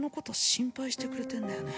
心配してくれてんだよね？